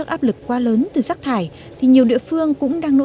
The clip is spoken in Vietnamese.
đã chủ động xây dựng lò đốt nhỏ